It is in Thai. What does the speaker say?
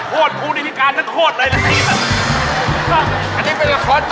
โคตรภูติพิการนั้นโคตรเลยละสิ